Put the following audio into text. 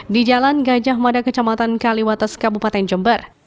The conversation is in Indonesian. di jalan gajah mada kecamatan kaliwates kabupaten jember